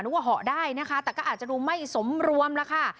นุ่งว่าเหาะได้นะคะแต่ก็อาจจะรู้ไม่สมรวมนะคะ